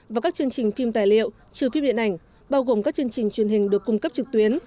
và các chương trình phim tài liệu trừ phim điện ảnh bao gồm các chương trình truyền hình được cung cấp trực tuyến